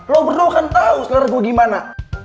lo berdua kan tahu selera gue gimana